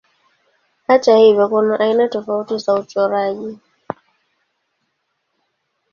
Hata hivyo kuna aina tofauti za uchoraji.